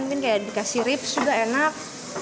mungkin kayak dikasih rips juga enak